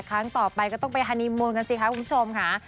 ครั้งต่อไปก็ต้องไปฮานีมูลกันสิคะคุณผู้ชมค่ะ